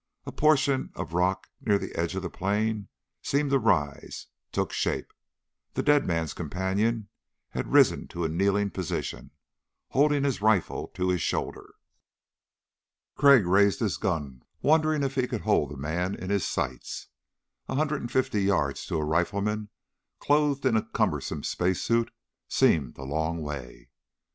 A portion of rock near the edge of the plain seemed to rise took shape. The dead man's companion had risen to a kneeling position, holding his rifle to his shoulder. Crag raised his gun, wondering if he could hold the man in his sights. A hundred and fifty yards to a rifleman clothed in a cumbersome space suit seemed a long way.